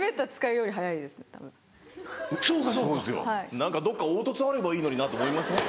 何かどっか凹凸あればいいのになと思いません？